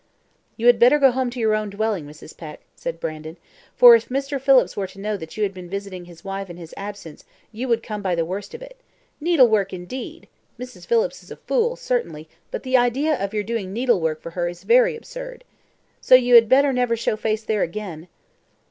"You had better go home now to your own dwelling, Mrs. Peck," said Brandon; "for if Mr. Phillips were to know that you had been visiting his wife in his absence you would come by the worst of it. Needlework, indeed! Mrs. Phillips is a fool, certainly; but the idea of your doing needlework for her is very absurd. So you had better never show face there again."